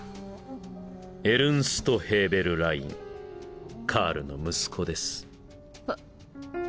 エルンスト・ヘーベルラインカールの息子です。